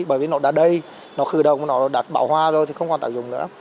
bởi vì nó đã đầy nó khử độc nó đã bảo hoa rồi thì không còn tạng dùng nữa